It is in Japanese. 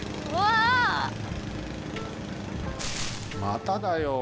まただよ。